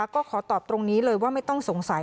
ก็ขอตอบตรงนี้เลยว่าไม่ต้องสงสัย